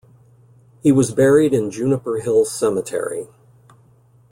He was buried in Juniper Hill Cemetery.